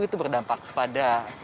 itu berdampak pada